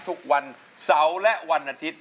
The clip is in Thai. ทุกวันเสาร์และวันอาทิตย์